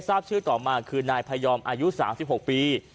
ทราบชื่อต่อมาคือนายพยอมอายุ๓๖ปี